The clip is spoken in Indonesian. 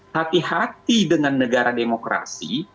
hati hati dengan negara demokrasi